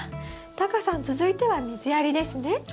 タカさん続いては水やりですね？